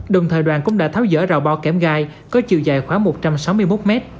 đồng thời đoàn cũng đã tháo dỡ rào bò kém gai có chiều dài khoảng một trăm sáu mươi một m